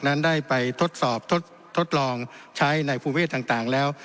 นั้นได้ไปทดสอบทดลองใช้ในภูเวศต่างแล้ว